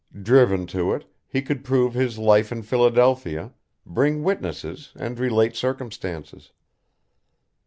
Driven to it, he could prove his life in Philadelphia, bring witnesses and relate circumstances.